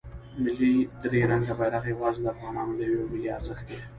ملی درې رنګه بیرغ یواځې د افغانانو دی او یو ملی ارزښت دی.